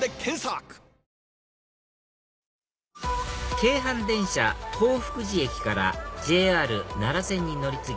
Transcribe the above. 京阪電車東福寺駅からＪＲ奈良線に乗り継ぎ